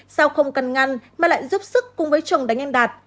sau không cằn ngăn mà lại giúp sức cùng với chồng đánh anh đạt